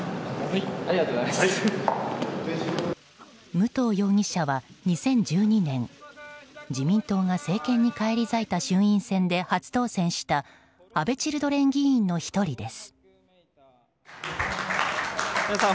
武藤容疑者は２０１２年自民党が政権に返り咲いた衆院選で初当選した安倍チルドレン議員の１人です。